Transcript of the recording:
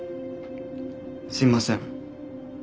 すいません。